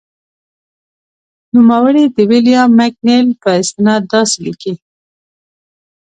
نوموړی د ویلیام مکنیل په استناد داسې لیکي.